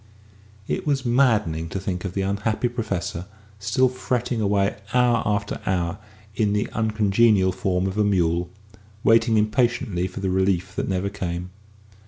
It was maddening to think of the unhappy Professor still fretting away hour after hour in the uncongenial form of a mule, waiting impatiently for the relief that never came.